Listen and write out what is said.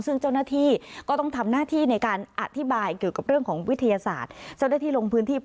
ซึ่งเจ้าหน้าที่ก็ต้องทำหน้าที่ในการอธิบายเกี่ยวกับเรื่องของวิทยาศาสตร์